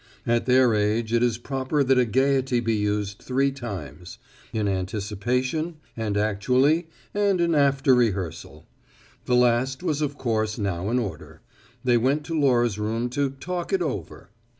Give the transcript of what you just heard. At their age it is proper that a gayety be used three times: in anticipation, and actually, and in after rehearsal. The last was of course now in order: they went to Laura's room to "talk it over."